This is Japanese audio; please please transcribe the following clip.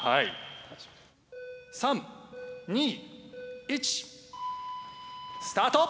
３２１。スタート！